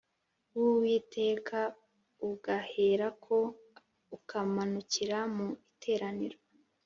w Uwiteka ugaherako ukamanukira mu iteraniro